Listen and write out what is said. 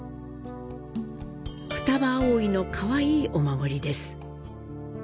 二葉葵のかわいいお守りです。